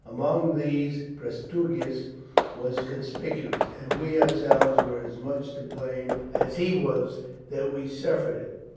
Among these Prasutagus was conspicuous, and we ourselves were as much to blame as he was that we suffered it.